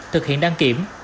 thực hiện đăng kiểm